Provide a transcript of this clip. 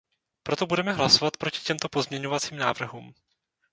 Proto budeme hlasovat proti těmto pozměňovacím návrhům.